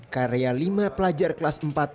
karya lima pelajar kelas empat